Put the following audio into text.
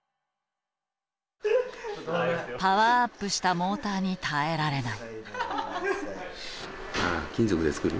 パワーアップしたモーターに耐えられない。